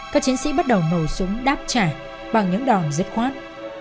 các chiến sĩ bắt đầu nổ súng đáp trả bằng những đòn dứt khoát